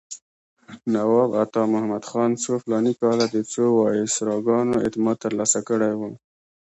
نواب عطامحمد خان څو فلاني کاله د څو وایسراګانو اعتماد ترلاسه کړی و.